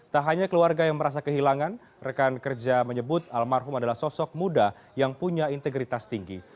tak hanya keluarga yang merasa kehilangan rekan kerja menyebut almarhum adalah sosok muda yang punya integritas tinggi